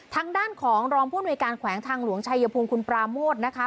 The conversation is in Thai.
ทางด้านของรองผู้อำนวยการแขวงทางหลวงชัยภูมิคุณปราโมทนะคะ